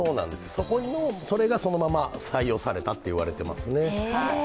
それがそのまま採用されたと言われてますね。